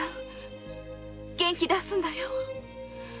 元気出すんだよ。